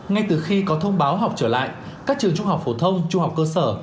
ngay từ khi có thông báo học trở lại các trường trung học phổ thông trung học cơ sở